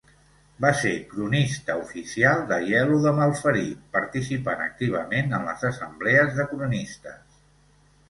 Va ser cronista oficial d'Aielo de Malferit, participant activament en les assemblees de cronistes.